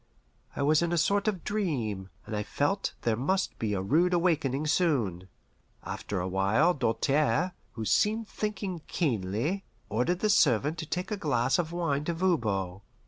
I was in a sort of dream, and I felt there must be a rude awakening soon. After a while, Doltaire, who seemed thinking keenly, ordered the servant to take in a glass of wine to Voban.